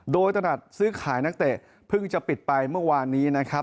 โดยตลาดซื้อขายนักเตะเพิ่งจะปิดไปเมื่อวานนี้นะครับ